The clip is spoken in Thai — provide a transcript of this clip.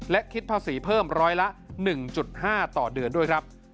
และคิดภาษีเพิ่มร้อยละ๑๕ต่อเดือนด้วยครับ